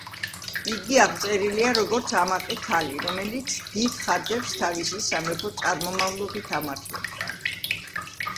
იგი აღწერილია როგორც ამაყი ქალი, რომელიც დიდ ხარჯებს თავისი სამეფო წარმომავლობით ამართლებდა.